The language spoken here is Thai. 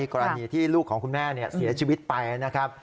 กรณีที่ลูกของคุณแม่เสียชีวิตไปนะครับ